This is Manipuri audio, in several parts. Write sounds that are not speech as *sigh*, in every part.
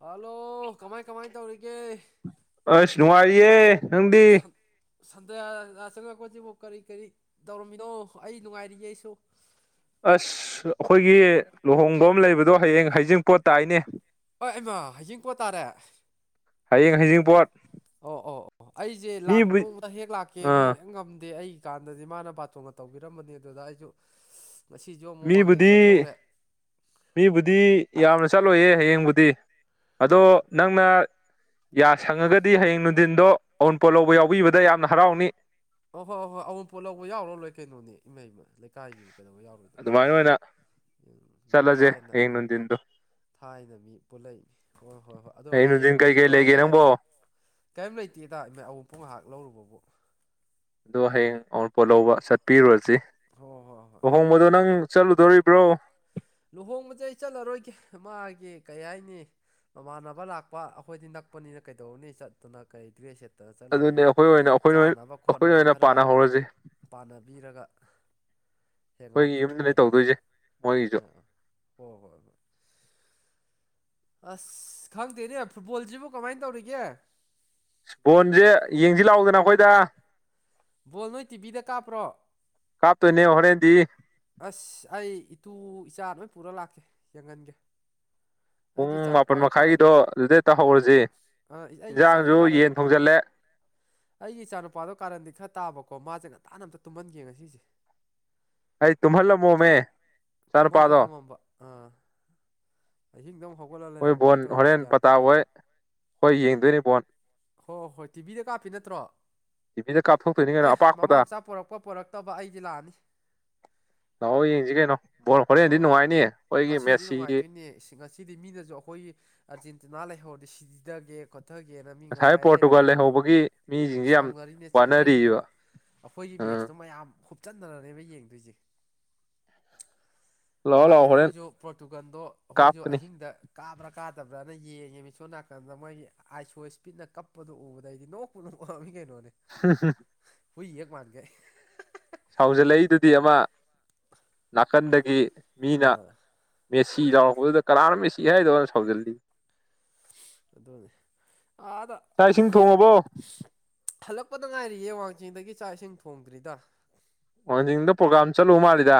ꯍꯜꯂꯣ ꯀꯃꯥꯏ ꯀꯃꯥꯏ ꯇꯧꯔꯤꯒꯦ ꯌꯦ ꯅꯪꯗꯤ ꯁꯟꯗꯌꯥ ꯆꯪꯉꯛꯄꯁꯤꯕꯨ ꯀꯔꯤ ꯀꯔꯤ ꯇꯧꯔꯝꯃꯤꯅꯣ ꯑꯩ ꯅꯨꯡꯉꯥꯏꯔꯤꯌꯦ ꯑꯩꯁꯨ ꯑꯁ ꯑꯩꯈꯣꯏꯒꯤ ꯂꯨꯍꯣꯡꯕ ꯑꯃ ꯂꯩꯕꯗꯣ ꯍꯌꯦꯡ ꯍꯩꯖꯤꯡ ꯄꯣꯠ ꯇꯥꯏꯅꯦ ꯑꯩꯃꯥ ꯍꯩꯖꯤꯡꯄꯣꯠ ꯇꯥꯔꯦ ꯍꯌꯦꯡ ꯍꯩꯖꯤꯡꯄꯣꯠ ꯑꯣ ꯑꯣ ꯑꯣ ꯑꯩꯁꯦ ꯂꯥꯛ ꯃꯤꯕꯨ ꯅꯣꯡꯃꯗ ꯍꯦꯛ ꯂꯥꯛꯀꯦ ꯍꯦꯛ ꯑꯥ ꯉꯝꯗꯦ ꯑꯩ ꯀꯥꯟꯗꯗꯤ ꯃꯥꯅ ꯕꯥꯇꯣꯅ ꯇꯧꯕꯤꯔꯝꯕꯅꯤ ꯑꯗꯨꯗ ꯑꯩꯁꯨ ꯉꯁꯤꯁꯨ ꯑꯃꯨꯛ ꯋꯥꯡꯖꯤꯡ ꯃꯤꯕꯨꯗꯤ ꯆꯠꯊꯣꯛꯎꯔꯦ ꯃꯤꯕꯨꯗꯤ ꯌꯥꯝ ꯆꯠꯂꯣꯏꯌꯦ ꯍꯌꯦꯡꯕꯨꯗꯤ ꯑꯗꯣ ꯅꯪꯅ ꯌꯥ ꯁꯪꯉꯒꯗꯤ ꯍꯌꯦꯡ ꯅꯨꯡꯊꯤꯟꯗꯣ ꯑꯎꯨꯟꯄꯣꯠ ꯂꯧꯕ ꯌꯥꯎꯕꯤꯕꯗ ꯌꯥꯝꯅ ꯍꯔꯥꯎꯅꯤ ꯑꯣ ꯍꯣꯏ ꯍ ꯍꯣꯏ ꯑꯋꯄꯣꯠ ꯂꯧꯕ ꯌꯥꯎꯔ ꯂꯣꯏ ꯀꯩꯅꯣꯅꯦ ꯏꯃꯩꯃ ꯂꯩꯀꯥꯏꯒꯤ ꯑꯗꯨ ꯃꯥꯏꯅ ꯑꯣꯏꯅ ꯃꯤ ꯆꯠꯂꯖꯦ ꯊꯥꯏꯅ ꯍꯌꯦꯡ ꯅꯨꯡꯊꯤꯟꯗꯣ ꯊꯥꯏꯅ ꯃꯤ ꯄꯨꯜꯂꯛꯏꯅꯤ ꯍꯣꯏ ꯍꯣꯏ ꯍꯣꯏ ꯑꯗꯣ ꯍꯌꯦꯡ ꯅꯨꯡꯊꯤꯟ ꯀꯩꯀꯩ ꯅꯨꯡꯊꯤꯗꯣ ꯂꯩꯒꯦ ꯍꯌꯦꯛ ꯅꯪꯕꯣ ꯀꯩꯝ ꯂꯩꯇꯦꯗ ꯏꯃꯥꯏ ꯑꯎꯟꯄꯣꯠ ꯉꯥꯏꯍꯥꯛ ꯂꯧꯔꯨꯕꯕꯨ ꯑꯗꯣ ꯍꯌꯦꯡ ꯑꯎꯨꯟ ꯄꯣꯠ ꯂꯧꯕ ꯆꯠꯄꯤꯔꯨꯔꯁꯤ ꯍꯣꯏ ꯍꯣꯏ ꯍꯣꯏ ꯂꯨꯍꯣꯡꯕꯗꯣ ꯅꯪ ꯆꯂꯨꯗꯧꯔꯤꯕ꯭ꯔꯣ ꯂꯨꯍꯣꯡꯕꯁꯦ ꯑꯩ ꯆꯠꯂꯔꯣꯏꯒꯦ ꯃꯥꯒꯤ ꯀꯩ ꯍꯥꯏꯅꯤ ꯃꯃꯥꯟꯅꯕ ꯂꯥꯛꯄ ꯑꯩꯈꯣꯏꯗꯤ ꯅꯛꯄꯅꯤꯅ ꯀꯩꯗꯧꯅꯤ ꯆꯠꯇꯅ ꯀꯔꯤꯗ꯭ꯔꯦꯁ ꯑꯗꯨꯅꯦ ꯑꯩꯈꯣꯏ ꯑꯣꯏꯅ ꯑꯩꯈꯣꯏ ꯑꯩꯈꯣꯏ ꯑꯣꯏꯅ ꯄꯥꯅ ꯍꯧꯔꯁꯤ ꯄꯥꯟꯅꯕꯤꯔꯒ ꯑꯩꯈꯣꯏꯒꯤ ꯌꯨꯝꯗꯅꯦ ꯇꯧꯗꯣꯏꯁꯦ ꯃꯣꯏꯒꯤ *unintelligible* ꯑꯥ ꯍꯣꯏ ꯍꯣꯏ ꯍꯣꯏ ꯑꯁ ꯈꯪꯗꯦꯅꯦ ꯐꯨꯠꯕꯣꯜꯁꯤꯕꯨ ꯀꯃꯥꯏ ꯇꯧꯔꯤꯒꯦ ꯕꯣꯟꯁꯦ ꯌꯦꯡꯁꯤ ꯂꯥꯛꯑꯣꯗꯅ ꯑꯩꯈꯣꯏꯗ ꯕꯣꯜ ꯅꯣꯏ ꯇꯤꯚꯤꯗ ꯀꯥꯞꯄ꯭ꯔꯣ ꯀꯥꯞꯇꯣꯏꯅꯦ ꯍꯣꯔꯦꯟꯗꯤ ꯑꯁ ꯑꯩ ꯏꯇꯨ ꯏꯆꯥ ꯂꯣꯏ ꯄꯨꯔ ꯂꯥꯛꯀꯦ ꯌꯦꯡꯍꯟꯒꯦ ꯄꯨꯡ ꯑꯩꯒꯤ ꯃꯥꯄꯜ ꯏꯆꯥꯅꯨꯄꯥꯗꯣ ꯀꯥꯔꯟ ꯃꯈꯥꯏꯒꯤꯗꯣ ꯑꯗꯨꯗ ꯍꯦꯛꯇ ꯍꯧꯔꯁꯦ ꯑꯥ ꯑꯩꯒꯤ ꯏꯆꯥꯁꯦ ꯌꯦꯟꯁꯥꯡꯁꯨ ꯀꯥꯔꯟ ꯌꯦꯟ ꯊꯣꯡꯖꯤꯜꯂꯦ ꯑꯩꯒꯤ ꯏꯆꯥꯅꯨꯄꯥꯗꯣ ꯀꯥꯔꯟꯗꯤ ꯈꯔ ꯇꯥꯕꯀꯣ ꯃꯥꯁꯦ ꯉꯟꯇꯥꯅ ꯑꯝꯇ ꯇꯨꯝꯍꯟꯒꯦ ꯉ ꯁꯤꯁꯦ ꯑꯩ ꯇꯨꯝꯍꯜꯂꯝ ꯃꯣꯃꯦ ꯇꯨꯝꯍꯜꯂ ꯊꯝꯃꯝꯕ ꯑꯥ ꯑꯍꯤꯡꯗꯪ ꯍꯧ ꯍꯣꯏ ꯕꯣꯟ ꯍꯣꯔꯦꯟ ꯄꯇꯥ ꯑꯣꯏ ꯍꯣꯏ ꯌꯦꯡꯗꯣꯏꯅꯤ ꯕꯣꯟ ꯍꯣꯏ ꯍꯣꯏ ꯇꯤꯚꯤꯗ ꯀꯥꯞꯄꯤ ꯅꯠꯇ꯭ꯔꯣ ꯇꯤꯚꯤꯗ ꯀꯥꯞꯊꯣꯛꯇꯣꯏꯅꯤ ꯀꯩꯅꯣ ꯑꯦ ꯃꯃꯥ ꯑꯄꯥꯛꯄꯗ ꯃꯆꯥ ꯄꯣꯔꯛꯄ ꯄꯣꯔꯛꯇꯕ ꯑꯩꯗꯤ ꯂꯥꯛꯑꯅꯤ ꯂꯥꯛꯑꯣ ꯌꯦꯡꯁꯤ ꯀꯩꯅꯣ ꯕꯣꯜ ꯍꯣꯔꯦꯟꯗꯤ ꯑꯣ ꯅꯨꯡꯉꯥꯏꯅꯤ ꯑꯩꯈꯣꯏꯒꯤ ꯉꯁꯤꯗꯤ ꯃꯦꯁꯤꯒꯤ ꯅꯨꯡꯉꯥꯏꯗꯣꯏꯅꯦ ꯉꯁꯤꯗꯤ ꯃꯤꯅꯁꯨ ꯑꯩꯈꯣꯏꯒꯤ ꯑꯥꯔꯖꯦꯟꯇꯤꯅꯥ ꯂꯩꯍꯧꯔꯗꯤ *unintelligible* ꯊꯒꯦꯅ ꯃꯤ ꯉꯁꯥꯏ ꯉꯥꯏ ꯄꯣꯔꯇꯨꯒꯥꯜ ꯂꯩꯔꯝꯃꯗꯕꯅꯦ ꯂꯩꯍꯧꯕꯒꯤ ꯑꯗꯨꯝ ꯃꯤꯁꯤꯡꯁꯦ ꯌꯥꯝ ꯁꯥꯎꯅꯔꯤꯅꯦ ꯋꯥꯅꯔꯤꯕ ꯆꯥꯛꯅꯔꯤꯅꯦꯕ ꯑꯩꯈꯣꯏꯒꯤ ꯎꯝ ꯃꯦꯠꯁꯇꯣ ꯃꯌꯥꯝ ꯍꯨꯞꯆꯟꯅꯔꯅꯦꯕ ꯌꯦꯡꯗꯣꯏꯁꯦ ꯂꯥꯛꯑꯣ ꯃꯥꯅꯦ ꯂꯥꯛꯑꯣ ꯍꯣꯔꯦꯟ ꯑꯩꯈꯣꯏꯁꯨ ꯄ꯭ꯔꯣꯇꯨꯒꯟꯗꯣ ꯑꯩꯈꯣꯏꯁꯨ ꯀꯥꯞꯀꯅꯤ ꯑꯍꯤꯡꯗ ꯀꯥꯕ꯭ꯔꯥ ꯀꯥꯗꯕ꯭ꯔꯅ ꯌꯦꯡꯉꯦ ꯃꯤ ꯁꯣꯝ ꯅꯥꯀꯟꯗ ꯃꯣꯏꯒꯤ ꯑꯥꯏꯁꯣ ꯏꯁꯄꯤꯠꯅ ꯀꯞꯄꯗꯣ ꯎꯕꯗ ꯑꯩꯗꯤ ꯅꯣꯛꯄꯨ ꯅꯣꯛꯑꯕꯅꯤ ꯀꯩꯅꯣ *unintelligible* ꯍꯨꯏ ꯍꯦꯛ ꯃꯥꯟꯒꯩ *unintelligible* ꯁꯥꯎꯖꯜꯂꯛꯏꯗꯨꯗꯤ ꯑꯃ ꯅꯥꯀꯟꯗꯒꯤ ꯃꯤꯅ ꯑꯥ ꯃꯦꯁ ꯁꯤ ꯂꯥꯎꯔꯛꯄꯗꯨꯗ ꯀꯅꯥꯥꯅꯣ ꯃꯦꯁꯤ ꯍꯥꯏꯗꯣ ꯁꯥꯎꯖꯤꯜꯂꯤ ꯑꯗꯥ ꯆꯥꯛ ꯏꯁꯤꯡ ꯊꯣꯡꯉꯕꯣ ꯍꯜꯂꯛ ꯄꯗ ꯉꯥꯏꯔꯤꯌꯦ ꯋꯥꯡꯖꯤꯡꯗꯒꯤ ꯆꯥꯛ ꯏꯁꯤꯡ ꯊꯣꯡꯗ꯭ꯔꯤꯗ ꯋꯥꯡꯖꯤꯡꯗ ꯄ꯭ꯔꯣꯒꯥ꯭ꯔꯝ ꯆꯠꯂꯨꯕ ꯃꯥꯜꯂꯤꯗ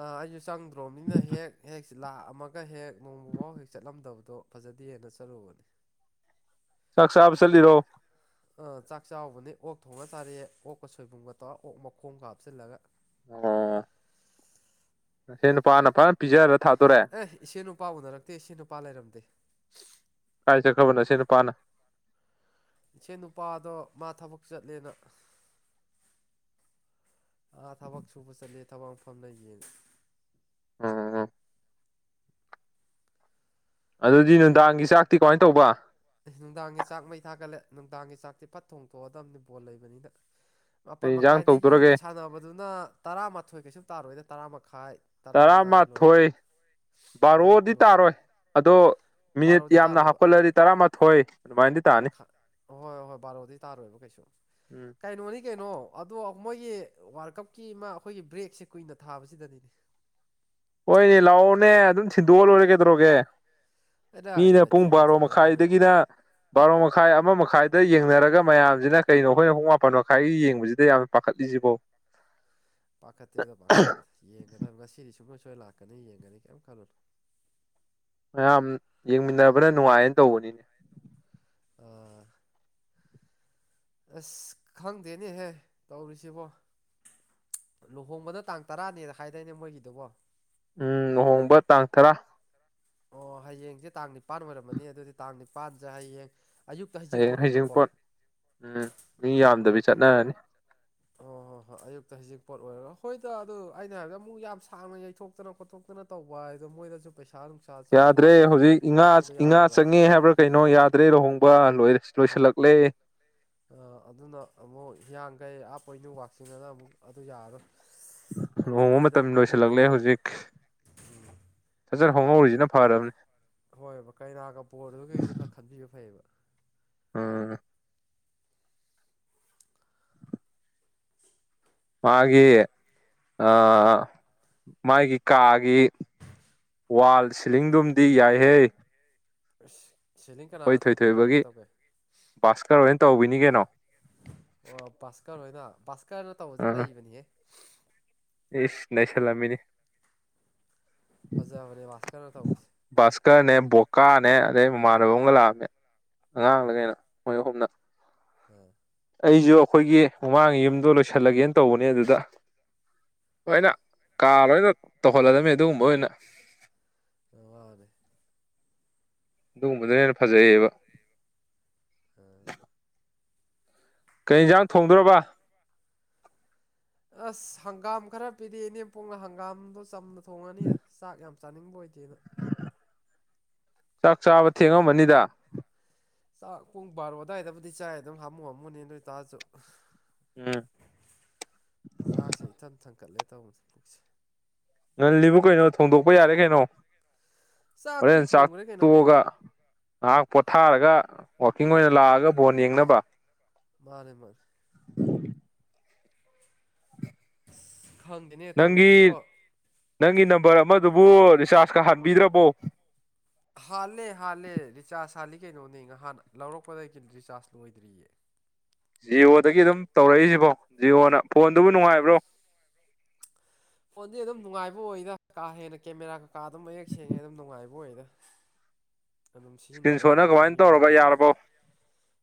ꯑꯥ ꯑꯩꯖꯨ ꯆꯪꯗ꯭ꯔꯣꯃꯤꯅ ꯍꯦꯛ ꯍꯦꯛ ꯂꯥꯛꯑꯝꯃꯒ ꯍꯦꯛ ꯅꯣꯡꯃꯕꯥꯎ ꯍꯦꯛ ꯆꯠꯂꯝꯗꯕꯗꯣ ꯐꯖ ꯖꯗꯦ ꯑꯗ ꯆꯠꯂꯨꯕꯅꯤ *inaudible* ꯆꯥꯛ ꯆꯥꯕ ꯆꯠꯂꯤꯔꯣ ꯑꯥ ꯆꯥꯛ ꯆꯥꯎꯕꯅꯤ ꯑꯣꯛ ꯊꯣꯡꯉ ꯆꯥꯔꯛꯑꯦ ꯑꯣꯛꯀ ꯁꯣꯏꯕꯨꯝꯒ ꯇꯧꯔꯒ ꯑꯣꯛ ꯃꯈꯣꯡꯒ ꯍꯥꯞꯆꯤꯜꯂꯒ ꯑꯥ ꯅꯁꯦꯟ ꯅꯨꯄꯥꯅ ꯐꯠ ꯑꯦ ꯏꯁꯦꯟ ꯅꯨꯄꯥ ꯎꯅꯔꯛꯇꯦ ꯏꯁꯦꯟ ꯅꯨꯄꯥ ꯂꯩꯔꯝꯗꯦ ꯀꯥꯏ ꯆꯠꯈ꯭ꯔꯕ ꯅꯥꯁꯦꯟ ꯅꯨꯄꯥꯅ ꯏꯆꯦꯟ ꯅꯨꯄꯥꯗꯣ ꯃꯥ ꯊꯕꯛ ꯆꯠꯂꯦꯅ ꯑꯥ ꯊꯕꯛ ꯁꯨꯕ ꯆꯠꯂꯦ ꯊꯕꯛ ꯃꯐꯝ ꯂꯩꯒꯤꯌꯦꯅ ꯑꯣ ꯑꯗꯨꯗꯤ ꯅꯨꯡꯗꯥꯡꯒꯤ ꯆꯥꯛꯇꯤ ꯀꯃꯥꯏ ꯇꯧꯕ ꯑꯦ ꯅꯨꯡꯗꯥꯡꯒꯤ ꯆꯥꯛ ꯃꯩ ꯊꯥꯒꯠꯂꯦ ꯅꯨꯡꯗꯥꯡꯒꯤ ꯆꯥꯛꯇꯤ ꯐꯠ ꯊꯣꯡꯊꯣꯛꯑꯗꯕꯅꯤ ꯕꯣꯜ ꯂꯩꯕꯅꯤꯅ ꯀꯩ ꯃꯥꯄꯜ ꯌꯦꯟꯖꯥꯡ ꯃꯈꯥꯏꯗꯒꯤ ꯇꯧꯗꯣꯔꯒꯦ ꯁꯥꯟꯅꯕꯗꯨꯅ ꯇꯔꯥꯃꯥꯊꯣꯏ ꯀꯩꯁꯨ ꯇꯥꯔꯣꯏꯗ ꯇꯔꯥ ꯃꯈꯥꯏ ꯇꯔꯥ ꯑꯗꯥꯏꯗ ꯂꯣꯏꯔꯦ ꯇꯔꯥꯃꯊꯣꯏ ꯑꯗꯥꯏ ꯕꯥꯔꯣꯗꯤ ꯂꯣꯏꯔꯦ ꯇꯥꯔꯣꯏ ꯑꯗꯣ ꯃꯤꯅꯤꯠ ꯕꯥꯔꯣꯗꯤ ꯌꯥꯝꯅ ꯇꯥꯔꯣꯏꯕ ꯍꯥꯞꯀꯠꯂꯗꯤ ꯇꯔꯥꯃꯥꯊꯣꯏ ꯑꯗꯨꯃꯥꯏꯅꯗꯤ ꯇꯥꯅꯤ ꯃꯈꯥ ꯍꯣꯏ ꯍꯣꯏ ꯕꯥꯔꯣꯗꯤ ꯇꯥꯔꯣꯏꯕ ꯀꯩꯁꯨ ꯎꯝ ꯀꯩꯅꯣꯅꯤ ꯀꯩꯅꯣ ꯑꯗꯣ ꯃꯣꯏꯒꯤ ꯋꯥ꯭ꯔꯜ ꯀꯞꯀꯤ ꯃꯥ ꯑꯩꯈꯣꯏꯒꯤ ꯕ꯭ꯔꯦꯛꯁꯦ ꯀꯨꯏꯅ ꯊꯥꯕꯖꯤꯗꯅꯤꯅꯦ ꯍꯣꯏꯅꯦ ꯂꯥꯛꯑꯣꯅꯦ ꯑꯗꯨꯝ ꯊꯤꯟꯗꯣꯛꯑ ꯂꯣꯏꯔꯦ ꯀꯩꯗꯧꯔꯒꯦ ꯑꯩꯅ ꯃꯤꯅ ꯄꯨꯡ ꯃꯆꯤꯟ ꯕꯥꯔꯣ ꯃꯆꯤꯟꯗꯣ ꯀꯩꯝ ꯂꯩꯇꯦ ꯃꯈꯥꯏꯗꯒꯤꯅ ꯕꯥꯔꯣ ꯃꯈꯥꯏ ꯑꯃ ꯃꯈꯥꯏ ꯌꯦꯡꯅꯔꯒ ꯃꯌꯥꯝꯖꯤꯅ ꯀꯩꯅꯣ ꯑꯩꯈꯣꯏꯅ ꯄꯨꯡ ꯃꯥꯄꯜ ꯃꯈꯥꯏꯒꯤ ꯌꯦꯡꯕꯖꯤꯗ ꯌꯥꯝ ꯄꯥꯈꯠꯂꯤꯖꯤꯕꯣ ꯄꯥꯈꯠꯇꯦꯗ ꯄꯥꯈꯠꯇꯦꯗ ꯌꯦꯡꯉꯗꯕꯅꯤ ꯉꯁꯤꯗꯤ ꯁꯨꯛꯁꯣꯏ ꯁꯣꯏ ꯂꯥꯛꯀꯅꯤ ꯌꯦꯡꯒꯅꯤ ꯀꯌꯤꯝ ꯈꯜꯂꯨꯅꯨ ꯃꯌꯥꯝ ꯌꯦꯡꯃꯤꯟꯅꯕꯅ ꯅꯨꯡꯉꯥꯏꯌꯦꯅ ꯇꯧꯕꯅꯤꯅꯦ ꯎꯝ ꯑꯁ ꯈꯪꯗꯦꯅꯦꯍꯦ ꯇꯧꯔꯤꯁꯤꯕꯣ ꯂꯨꯍꯣꯡꯕꯅ ꯇꯥꯡ ꯇꯔꯥꯅꯦꯅ ꯍꯥꯏꯗꯥꯏꯅꯦ ꯃꯣꯏꯒꯤꯗꯨꯕꯣ ꯎꯝ ꯂꯨꯍꯣꯡꯕ ꯇꯥꯡ ꯇꯔꯥ ꯑꯣ ꯍꯌꯦꯡꯖꯦ ꯇꯥꯡ ꯅꯤꯄꯥꯟ ꯑꯣꯏꯔꯝꯃꯅꯤ ꯑꯗꯨꯗꯤ ꯇꯥꯡ ꯅꯤꯄꯥꯟꯖꯦ ꯍꯌꯦꯡ ꯑꯌꯨꯛꯇ ꯍꯌꯦꯡ ꯑꯣꯏꯕꯀꯣ ꯍꯩꯖꯤꯡꯄꯣꯠ ꯎꯝ ꯃꯤ ꯌꯥꯝꯗꯕꯤ ꯆꯠꯅꯔꯅꯤ ꯇ ꯍꯧꯖꯤꯡꯄꯣꯠ ꯑꯣꯏꯔꯣ ꯍꯣꯏꯗ ꯑꯗꯨ ꯑꯩꯅ ꯍꯥꯏꯕꯗ ꯑꯃꯨꯛ ꯌꯥꯝ ꯁꯥꯡꯅ ꯌꯩꯊꯣꯛꯇꯅ ꯈꯣꯠꯇꯣꯛꯇꯅ ꯇꯧꯕ ꯍꯥꯏꯗꯣ ꯃꯣꯏꯗꯖꯨ ꯄꯩꯁꯥ ꯑꯗꯨꯝ ꯌꯥꯗ꯭ꯔꯦ ꯍꯧꯖꯤꯛ ꯏꯉꯥ ꯏꯉꯥ ꯆꯪꯉꯛꯑꯦ ꯍꯥꯏꯕ꯭ꯔꯥ ꯀꯩꯅꯣ ꯌꯥꯗ꯭ꯔꯦ ꯂꯨꯍꯣꯡꯕ ꯂꯣꯏꯔꯦ ꯑ ꯂꯣꯏꯁꯤꯜꯂꯛꯂꯦ ꯑ ꯑꯗꯨꯅ ꯑꯃꯨꯛ ꯍꯤꯌꯥꯡꯒꯩ ꯑꯥ ꯄꯣꯏꯅꯨ ꯋꯥꯛꯆꯤꯡ ꯑꯅ ꯑꯃꯨꯛ ꯑꯗꯨ ꯌꯥꯔꯔꯣꯏ ꯑꯗꯣ ꯂꯨꯍꯣꯡꯕ ꯍꯧꯖꯤꯛ ꯑꯗꯨꯝ ꯃꯇꯝ ꯍꯣꯡꯕꯤꯕꯁꯦ ꯂꯣꯏꯁꯤꯜꯂꯛꯂꯦ ꯐꯔꯦ ꯍꯧꯖꯤꯛ ꯍꯣꯡꯍꯧꯔꯤꯁꯤꯅ ꯐꯔꯕꯅꯤ ꯍꯣꯏꯕ ꯀꯩꯅꯒ ꯕꯣꯔꯗꯨꯒꯤꯖꯨ ꯈꯔ ꯈꯟꯕꯤꯕ ꯐꯩꯌꯦꯕ ꯑꯥ ꯃꯒꯤ ꯑꯥ ꯃꯒꯤ ꯀꯒꯤ ꯋꯥꯜ ꯁꯤꯂꯤꯡꯗꯨꯝꯗꯤ ꯌꯥꯏꯍꯦ ꯑꯁ ꯁꯦꯂꯤꯡ ꯈꯣꯏ ꯀꯅꯥꯅ ꯇꯧꯒꯦ ꯊꯣꯏꯊꯣꯏꯕꯒꯤ ꯀꯩꯅ ꯇꯧꯒꯦ ꯕꯥꯁꯀꯔ ꯍꯣꯏꯅ ꯇꯧꯕꯤꯅꯤꯒ ꯑꯣ ꯕꯥꯁꯀꯔ ꯍꯣꯏꯅ ꯕꯥꯁꯀꯔꯅ ꯇꯧꯕꯁꯤ ꯑꯥ ꯅꯩꯕꯅꯤꯍꯦ ꯏꯁ ꯅꯩꯁꯜꯂꯝꯃꯤꯅꯤ ꯐꯖꯕꯅꯦ ꯋꯥꯁꯀꯔꯅ ꯇꯧꯕꯁꯦ ꯀꯥꯅꯦ ꯑꯗꯩ ꯃꯃꯥꯟꯅꯕ ꯑꯃꯒ ꯂꯥꯛꯑꯝꯃꯦ ꯑꯉꯥꯡꯂ ꯑꯥ ꯀꯩꯅꯣ ꯃꯣꯏ ꯑꯍꯨꯝꯅ ꯑꯥ ꯑꯩꯖꯨ ꯑꯈꯣꯏꯒꯤ ꯃꯃꯥꯡꯒꯤ ꯌꯨꯝꯗꯣ ꯂꯣꯏꯁꯜꯂꯒꯦꯅ ꯇꯧꯕꯅꯦ ꯑꯗꯨꯗ ꯂꯣꯏꯅ ꯀꯥ ꯂꯣꯏꯅ ꯇꯧꯍꯜꯂꯗꯝꯅꯦ ꯑꯗꯨꯒꯨꯝꯕ ꯑꯣꯏꯅ ꯑꯉꯥꯡꯅꯦ ꯑꯗꯨꯒꯨꯝꯕꯗꯨꯅ ꯍꯦꯟꯅ ꯐꯖꯩꯌꯦꯕ ꯑꯥ ꯀꯩ ꯍꯦꯟꯖꯥꯡ ꯊꯣꯡꯗꯣꯔꯕ ꯑꯁ ꯍꯪꯒꯝ ꯈꯔ ꯄꯤꯔꯛꯑꯦ ꯏꯅꯦꯝꯄꯣꯛꯅ ꯍꯪꯒꯝꯗꯣ ꯆꯝꯅ ꯊꯣꯡꯉꯅꯤ ꯆꯥꯛ ꯌꯥꯝ ꯆꯥꯅꯤꯡꯕ ꯑꯣꯏꯗꯦꯕ ꯆꯥꯛ ꯆꯥꯕ ꯊꯦꯡꯉꯝꯃꯅꯤꯗ ꯆꯥꯛ ꯄꯨꯡ ꯕꯔꯣ ꯑꯗꯨꯏꯗꯕꯨꯗꯤ ꯆꯥꯏ ꯑꯗꯨꯝ ꯍꯥꯝꯃꯨ ꯍꯥꯝꯃꯨꯅꯦ ꯑꯗꯨ ꯑꯣꯏꯇꯔꯖꯨ ꯎꯝ ꯆꯥꯛꯁꯦ ꯏꯊꯟ ꯊꯟꯀꯠꯂꯦ ꯇꯧꯕꯅꯤ ꯄꯨꯛꯁꯦ ꯉꯜꯂꯤꯕꯨ ꯀꯩꯅꯣ ꯊꯣꯡꯗꯣꯛꯄ ꯌꯥꯔꯦ ꯀꯩꯅꯣ ꯆꯥꯛꯇꯤ ꯍꯣꯔꯦꯟ ꯆꯥꯛ ꯊꯣꯡꯈ꯭ꯔꯦ ꯀꯩꯅꯣ ꯇꯣꯛꯑꯒ ꯉꯍꯥꯛ ꯄꯣꯊꯔꯒ ꯋꯥꯛꯀꯤꯡ ꯑꯣꯏꯅ ꯂꯥꯛꯑꯒ ꯕꯣꯟ ꯌꯦꯡꯅꯕ ꯃꯥꯅꯦ ꯃꯥꯅꯦ ꯈꯪꯗꯦꯅꯦ ꯅꯪꯒꯤ ꯇꯧꯔꯤꯁꯤꯕꯣ ꯅꯪꯒꯤ ꯅꯝꯕꯔ ꯑꯃꯗꯨꯕꯨ ꯔꯤꯆꯥꯔꯖꯀ ꯍꯟꯕꯤꯗ꯭ꯔꯕꯣ ꯍꯥꯜꯂꯦ ꯍꯥꯜꯂꯦ ꯔꯤꯆꯥꯔꯖ ꯍꯥꯜꯂꯤ ꯀꯩꯅꯣꯅꯦ ꯉꯍꯥꯟ ꯂꯧꯔꯛꯄꯗꯒꯤ ꯔꯤꯆꯥꯔꯖ ꯂꯣꯏꯗ꯭ꯔꯤꯌꯦ ꯖꯤꯌꯣꯗꯒꯤ ꯑꯗꯨꯝ ꯇꯧꯔꯛꯏꯁꯤꯕꯣ ꯖꯤꯌꯣꯅ ꯐꯣꯟꯗꯨꯕꯨ ꯅꯨꯡꯉꯥꯏꯕ꯭ꯔꯣ ꯐꯣꯟꯗꯤ ꯑꯗꯨꯝ ꯅꯨꯡꯉꯥꯏꯕ ꯑꯣꯏꯗ ꯀꯥ ꯍꯦꯟꯅ ꯀꯦꯃꯦꯔ ꯀꯩꯀꯥ ꯑꯗꯨꯝ ꯃꯌꯦꯛ ꯁꯦꯡꯉꯦ ꯑꯗꯨꯝ ꯅꯨꯡꯉꯥꯏꯕ ꯑꯣꯏꯗ *inaudible* ꯑꯗꯨꯝ ꯏꯁꯀ꯭ꯔꯤꯟ ꯁꯤꯖꯤꯟꯅꯕ ꯁꯣꯠꯅ ꯌꯥꯅꯤ ꯀꯃꯥꯏꯅ ꯆꯍꯤ ꯃꯔꯤ ꯇꯧꯔꯕ ꯌꯥꯔꯕꯣ ꯃꯉꯥꯃꯛ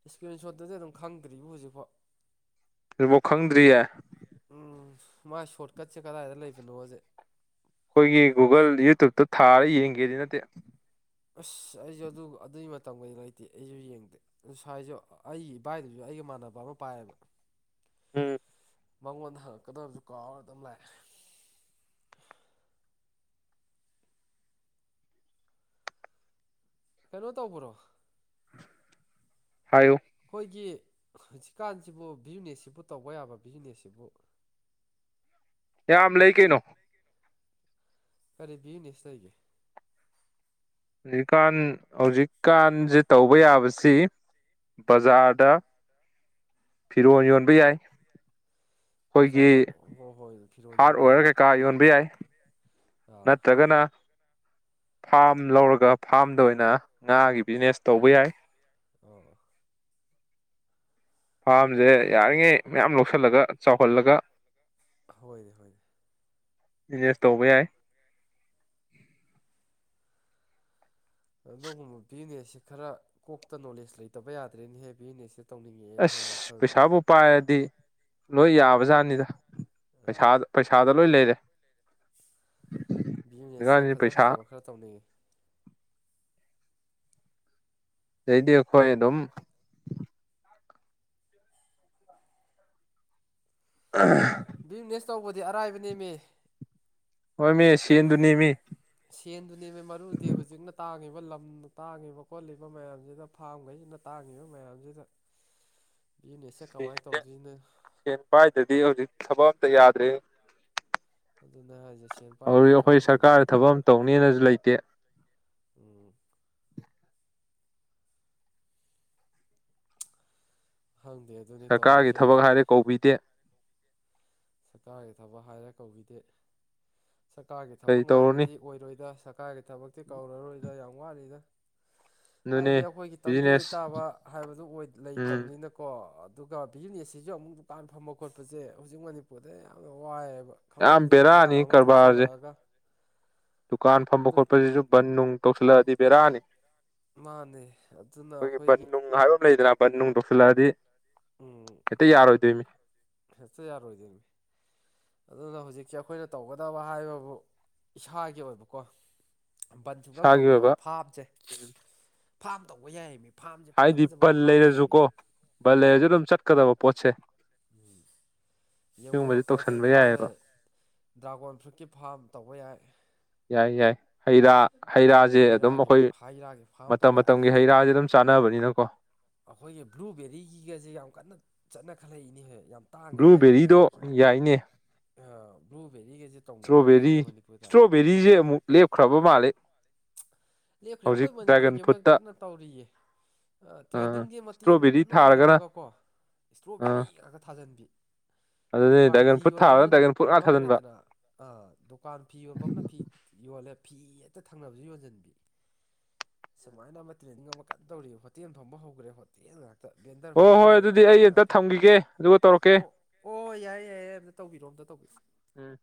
ꯏꯁꯀ꯭ꯔꯤꯟ ꯁꯣꯠꯇꯨꯗꯤ ꯑꯗꯨꯝ ꯈꯪꯗ꯭ꯔꯤꯕꯣ ꯍꯧꯖꯤꯛꯐꯥꯎ ꯑꯗꯨꯕꯥꯎ ꯈꯪꯗ꯭ꯔꯤꯌꯦ ꯎꯝ ꯃꯥꯏ ꯁꯣꯔꯠꯀꯠꯁꯦ ꯀꯗꯥꯏꯗ ꯂꯩꯕꯅꯣꯖꯦ ꯑꯈꯣꯏꯒꯤ ꯒꯨꯒꯜ ꯌꯨꯇꯨꯞꯇ ꯊꯥꯔ ꯌꯦꯡꯒꯦꯗꯤ ꯅꯠꯇꯦ ꯑꯁ ꯑꯩꯖꯨ ꯑꯗꯨ ꯑꯗꯨꯒꯤ ꯃꯇꯝꯒꯩꯗꯤ ꯂꯩꯇꯦ ꯑꯩꯖꯨ ꯌꯦꯡꯗꯦ ꯉꯁꯥꯏꯖꯨ ꯑꯩꯒꯤ ꯏꯕꯥꯏꯗꯨꯖꯨ ꯑꯩ ꯑꯩꯒ ꯏꯃꯥꯟꯅꯕ ꯑꯃ ꯄꯥꯏꯌꯦꯕ ꯎꯝ ꯃꯉꯣꯟꯗ ꯍꯪꯉꯛꯀꯗꯕꯖꯨ ꯀꯥꯎꯔ ꯑꯗꯨꯝ ꯂꯥꯛꯑꯦ ꯀꯩꯅꯣ ꯇꯧꯕ꯭ꯔꯣ ꯍꯥꯏꯌꯨ ꯒꯤ ꯍꯧꯖꯤꯛꯀꯥꯟꯖꯤꯕꯨ ꯕꯤꯖꯤꯅꯦꯁꯁꯤꯕꯨ ꯇꯧꯕ ꯌꯥꯕ ꯕꯤꯖꯤꯅꯦꯁꯁꯤꯕꯨ ꯌꯥꯝ ꯂꯩ ꯀꯩꯅꯣ ꯀꯔꯤ ꯕꯤꯖꯤꯅꯦꯁ ꯂꯩꯒꯦ ꯍꯧꯖꯤꯛꯀꯥꯟ ꯍꯧꯖꯤꯛꯀꯥꯟꯁꯦ ꯇꯧꯕ ꯌꯥꯕꯁꯤ ꯕꯖꯥꯔꯗ ꯐꯤꯔꯣꯜ ꯌꯣꯟꯕ ꯌꯥꯏ ꯑꯩꯈꯣꯏꯒꯤ ꯕꯖꯥꯔꯗ ꯍꯣ ꯍꯣꯏ ꯐꯤꯔꯣ ꯌꯣꯟꯕꯁꯨ ꯑꯥ ꯅꯠꯇ꯭ꯔꯒꯅꯥ ꯐꯥꯔꯝ ꯂꯧꯔꯒ ꯐꯥꯝꯗ ꯑꯣꯏꯅ ꯉꯥꯒꯤ ꯕꯤꯖꯤꯅꯦꯁ ꯇꯧꯕ ꯌꯥꯏ ꯑꯣ *inaudible* ꯐꯥꯔꯝꯁꯦ ꯌꯥꯔꯤꯉꯩ ꯃꯌꯥꯝ ꯂꯧꯁꯤꯜꯂꯒ ꯆꯥꯎꯍꯜꯂꯒ ꯍꯣꯏꯅꯦ ꯍꯣꯏꯅꯦ ꯕꯤꯖꯤꯅꯦꯁ ꯇꯧꯕ ꯌꯥꯏ ꯑꯗꯨꯒꯨꯝꯕ ꯕꯤꯖꯤꯅꯦꯁꯁꯦ ꯈꯔ ꯀꯣꯛꯇ ꯅꯣꯂꯦꯖ ꯂꯩꯇꯕ ꯌꯥꯗ꯭ꯔꯦꯅꯦꯍꯦ ꯕꯤꯖꯤꯅꯦꯁꯁꯦ ꯇꯧꯅꯤꯡꯉꯛꯑꯦꯅꯦꯍꯦ ꯑꯁ ꯋꯥꯈꯜꯗ ꯄꯩꯁꯥꯕꯨ ꯄꯥꯏꯔꯗꯤ ꯂꯣꯏ ꯌꯥꯕꯖꯥꯠꯅꯤꯗ ꯄꯩꯁꯥ ꯄꯩꯁꯥꯗ ꯂꯣꯏ ꯂꯩꯔꯦ ꯕꯤꯌꯅꯦꯁꯁꯦ ꯍꯧꯖꯤꯛꯀꯥꯟꯁꯤ ꯐꯖ ꯄꯩꯁꯥ ꯐꯖꯕ ꯈꯔ ꯇꯧꯅꯤꯡꯉꯤ ꯁꯤꯗꯩꯗꯤ ꯑꯩꯈꯣꯏ ꯑꯗꯨꯝ ꯑ ꯕꯤꯖꯤꯅꯦꯁ ꯇꯧꯕꯗꯤ ꯑꯔꯥꯏꯕ ꯅꯦꯝꯃꯤ ꯍꯣꯏ ꯃꯤ ꯁꯦꯟꯗꯨꯅꯤ ꯃꯤ ꯁꯦꯟꯗꯨꯅꯦꯕ ꯃꯔꯨꯗꯤ ꯍꯧꯖꯤꯛꯅ ꯇꯥ ꯑꯗꯨꯒ ꯂꯝꯅ ꯇꯥꯡꯉꯤꯕ ꯈꯣꯠꯂꯤꯕ ꯃꯌꯥꯝꯁꯤꯗ ꯐꯥꯝꯈꯩꯁꯤꯅ ꯇꯥꯡꯉꯤꯕ ꯃꯌꯥꯝꯁꯤꯗ *inaudible* ꯕꯤꯖꯤꯅꯦꯁꯁꯦ ꯀꯃꯥꯏꯅ ꯁꯦꯟꯁꯦ ꯇꯧꯗꯣꯏꯅꯣ ꯁꯦꯟ ꯄꯥꯏꯗꯗꯤ ꯍꯧꯖꯤꯛ ꯊꯕꯛ ꯑꯝꯇ ꯌꯥꯗ꯭ꯔꯦ ꯑꯗꯨꯅꯦ ꯍꯥꯏꯁꯦ ꯁꯦꯟ ꯍꯧꯖꯤꯛ ꯄꯥꯏꯗꯗꯤ ꯊꯕꯛ ꯑꯩꯈꯣꯏ ꯑꯝꯇꯁꯨ ꯁꯔꯀꯥꯔ ꯊꯕꯛ ꯌꯥꯗ꯭ꯔꯕꯅꯤꯅ ꯑꯃ ꯇꯧꯅꯤꯅꯁꯨ ꯂꯩꯇꯦ *inaudible* ꯎꯝ ꯈꯪꯗꯦ ꯑꯗꯨꯅꯤ ꯁꯔꯀꯥꯔꯒꯤ ꯇꯧꯔꯤꯁꯦ ꯊꯕꯛ ꯍꯧꯖꯤꯛ ꯍꯥꯏꯔꯦ ꯀꯧꯕꯤꯗꯦ ꯁꯔꯀꯥꯔꯒꯤ ꯊꯕꯛ ꯍꯥꯏꯔꯦ ꯀꯧꯕꯤꯗꯦ ꯁꯔꯀꯥꯔꯒꯤ ꯊꯕꯛ ꯀꯔꯤ ꯇꯧꯔꯨꯅꯤ ꯉꯥꯏꯕꯗꯤ ꯑꯣꯏꯔꯣꯏꯗ ꯁꯔꯀꯥꯔꯒꯤ ꯊꯕꯛꯇꯤ ꯀꯧꯔꯔꯣꯏꯗ ꯌꯥꯝ ꯋꯥꯠꯂꯤꯗ ꯑꯗꯨꯅꯤ ꯍꯥꯏꯗꯤ ꯑꯩꯈꯣꯏꯒꯤ ꯇꯪꯗꯨ ꯕꯤꯖꯤꯅꯦꯁ ꯂꯩꯇꯥꯕ ꯍꯥꯏꯕꯗꯨ ꯑꯣꯏ ꯎꯝ ꯂꯩꯇꯕꯅꯤꯅꯀꯣ ꯑꯗꯨꯒ ꯕꯤꯖꯤꯅꯦꯁꯁꯤꯁꯨ ꯑꯃꯨꯛ ꯗꯨꯀꯥꯟ ꯐꯝꯕ ꯈꯣꯠꯄꯁꯦ ꯍꯧꯖꯤꯛ ꯃꯅꯤꯄꯨꯔꯗ ꯌꯥꯝꯅ ꯋꯥꯏꯑꯦꯕ ꯌꯥꯝ ꯈꯪꯍꯧꯗꯅ ꯏꯔꯥꯡ ꯕꯦꯔꯥꯅꯤ ꯑꯃ ꯀꯔꯕꯥꯔꯁꯦ ꯊꯣꯛꯆꯤꯜꯂꯛꯑꯒ ꯗꯨꯀꯥꯟ ꯐꯝꯕ ꯈꯣꯠꯄꯁꯤꯁꯨ ꯕꯟ ꯅꯨꯡ ꯇꯧꯁꯤꯜꯂꯛꯑꯗꯤ ꯕꯦꯔꯥꯅꯤ ꯃꯥꯥꯟꯅꯦ ꯑꯗꯨꯅ ꯑꯩꯈꯣꯏꯒꯤ ꯕꯟꯅꯨꯡ ꯇꯧꯁꯤꯜꯂꯛꯑꯗꯤ ꯎꯝ ꯍꯦꯛꯇ ꯌꯥꯔꯣꯏꯗꯣꯏꯅꯤ ꯍꯦꯛꯇ ꯌꯥꯔꯣꯏꯗꯣꯏꯃꯤ ꯑꯗꯨꯅ ꯍꯧꯖꯤꯛꯀꯤ ꯑꯩꯈꯣꯏꯅ ꯇꯧꯒꯗꯕ ꯍꯥꯏꯕꯕꯨ ꯏꯁꯥꯒꯤ ꯑꯣꯏꯕꯀꯣ ꯕꯟ ꯁꯨꯡꯇꯧ ꯏꯁꯥꯒꯤ ꯇꯧꯗꯕ ꯑꯣꯏꯕ ꯐꯥꯝꯁꯦ ꯎꯝ ꯐꯥꯝ ꯇꯧꯕ ꯌꯥꯏꯌꯦ ꯃꯤ ꯍꯥꯏꯗꯤ ꯕꯟ ꯂꯩꯔꯁꯨꯀꯣ ꯕꯟ ꯎꯝ ꯂꯩꯔꯁꯨ ꯑꯗꯨꯝ ꯆꯠꯀꯗꯕ ꯄꯣꯠꯁꯦ ꯌꯦꯡꯉꯨ ꯁꯤꯒꯨꯝꯕꯁꯦ ꯀꯩꯀꯩ ꯇꯧꯁꯟꯕ ꯐꯥꯔꯝ ꯌꯥꯏꯑꯕ ꯂꯩ ꯗ꯭ꯔꯥꯒꯣꯟ ꯐ꯭ꯔꯨꯠꯀꯤ ꯐꯥꯔꯝ ꯇꯧꯕ ꯌꯥꯏ ꯌꯥꯏ ꯌꯥꯏ ꯍꯩꯔꯥ ꯍꯩ ꯔꯥꯁꯦ ꯑꯗꯨꯝ ꯔꯥꯒꯤ ꯑꯩꯈꯣꯏ ꯍꯩ ꯔꯥꯒꯤ ꯐꯥꯔꯝ ꯃꯇꯝ ꯇꯧꯋꯦ ꯃꯇꯝꯒꯤ ꯑꯗꯒꯤ ꯍꯩꯔꯥꯁꯦ ꯑꯗꯨꯝ ꯆꯥꯅꯕꯅꯤꯅꯀꯣ ꯑꯩꯈꯣꯏꯒꯤ ꯕ꯭ꯂꯨꯕꯦꯔꯤꯒꯤꯒꯁꯦ ꯌꯥꯝ ꯀꯟꯅ ꯆꯠꯅ ꯈꯜꯂꯛꯏꯅꯦꯍꯦ ꯌꯥꯝ ꯇꯥꯡꯉꯦ ꯍꯥꯏꯔꯤꯅꯦ ꯕ꯭ꯂꯨꯕꯦꯔꯤꯗꯣ ꯑꯩꯈꯣꯏꯒꯤ ꯌꯥꯏꯅꯦ ꯑꯥ ꯕ꯭ꯂꯨ ꯏꯁꯇ꯭ꯔꯣꯕꯦꯔꯤ ꯏꯁꯇ꯭ꯔꯣꯕꯦꯔꯤꯁꯦ ꯑꯃꯨꯛ ꯂꯦꯞꯈ꯭ꯔꯕ ꯃꯥꯜꯂꯦ ꯂꯦꯞꯈ꯭ꯔꯦ ꯑꯩꯈꯣꯏ ꯍꯧꯖꯤꯛ ꯗ꯭ꯔꯥꯒꯟ ꯃꯅꯤꯄꯨꯔꯒꯤ ꯑꯃ ꯐ꯭ꯔꯨꯠꯇ ꯀꯟꯅ ꯇꯧꯔꯤꯌꯦ ꯑꯥ ꯇ꯭ꯔꯦꯟꯗꯤꯡꯁꯦ ꯃꯇꯦꯛ ꯑꯃ ꯏꯁꯇ꯭ꯔꯣꯕꯦꯔꯤ ꯀꯟꯅ ꯊꯥꯔꯒꯅ ꯑꯣꯏꯔꯝꯃꯒꯀꯣ ꯏꯁꯇ꯭ꯔꯣꯕꯦꯔꯤ ꯉꯥꯛꯇ ꯊꯥꯖꯟꯕꯤ ꯑꯗꯣ ꯗꯨꯀꯥꯟ ꯐꯤ ꯌꯣꯟꯐꯝꯗ ꯗꯨꯀꯥꯟ ꯐꯝꯈ꯭ꯔꯦꯗꯅ ꯑꯥ ꯗꯨꯀꯥꯟ ꯐꯤ ꯌꯣꯟꯕ ꯑꯃꯅ ꯐꯤ ꯌꯣꯜꯂꯦ ꯐꯤ ꯑꯇ ꯊꯪꯅꯕꯁꯨ ꯌꯣꯟꯖꯟꯕꯤ ꯁꯨꯃꯥꯏꯅ ꯑꯃ ꯇ꯭ꯔꯦꯅꯤꯡ ꯑꯃ ꯀꯟꯅ ꯇꯧꯔꯤ ꯍꯣꯇꯦꯜ ꯐꯕ ꯍꯧꯈ꯭ꯔꯦ ꯍꯣꯇꯦꯜꯅ ꯚꯦꯟꯗꯔ ꯍꯣꯏ ꯐꯝꯕ ꯍꯣꯏ ꯍꯧꯈ꯭ꯔꯦ ꯑꯗꯨꯗꯤ ꯑꯩ ꯚꯦꯟꯗꯔ ꯑꯝꯇ ꯉꯥꯛꯇ ꯊꯝꯈꯤꯒꯦ ꯑꯗꯨꯒ ꯇꯧꯔꯛꯀꯦ ꯑꯣ ꯑꯣ ꯌꯥꯏꯌꯦ ꯌꯥꯏꯌꯦ ꯑꯝꯇ ꯇꯧꯕꯤꯔꯣꯝ ꯇꯧꯕꯁꯨ ꯎꯝ